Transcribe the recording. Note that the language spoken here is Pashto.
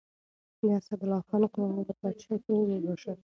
د اسدالله خان قواوو د پادشاه زوی وواژه.